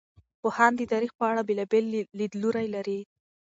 پوهان د تاریخ په اړه بېلابېل لیدلوري لري.